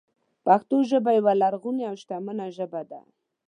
پښتو ژبه یوه لرغونې او شتمنه ژبه ده.